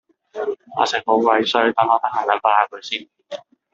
阿成好鬼衰等我得閒撚化佢先